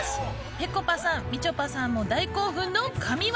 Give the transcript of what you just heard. ぺこぱさんみちょぱさんも大興奮の神技